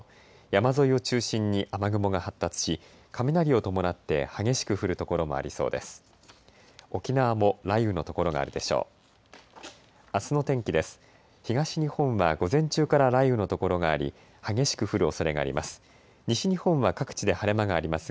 山沿いを中心に雨雲が発達し雷を伴って激しく降る所もありそうです。